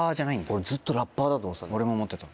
俺ずっとラッ「パー」だと思ってた。